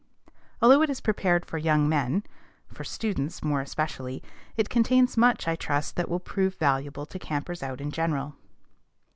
Although it is prepared for young men, for students more especially, it contains much, I trust, that will prove valuable to campers out in general.